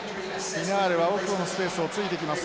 ピナールは奥のスペースをついてきます。